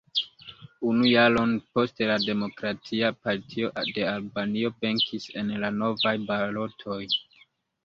Unu jaron poste la Demokratia Partio de Albanio venkis en la novaj balotoj.